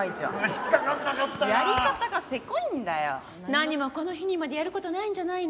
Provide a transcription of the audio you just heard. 何もこの日にまでやる事ないんじゃないの？